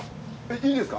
いいんですか？